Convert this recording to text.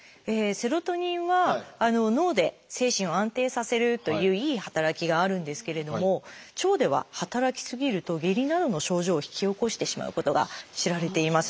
セロトニンは脳で精神を安定させるといういい働きがあるんですけれども腸では働き過ぎると下痢などの症状を引き起こしてしまうことが知られています。